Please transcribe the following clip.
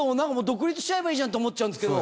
独立しちゃえばいいじゃんって思っちゃうんですけど。